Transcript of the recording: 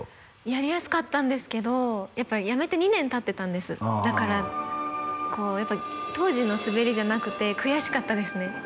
やりやすかったんですけどやめて２年たってたんですだからこうやっぱり当時の滑りじゃなくて悔しかったですね